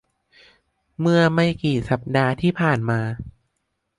เมื่อไม่กี่สัปดาห์ที่ผ่านมา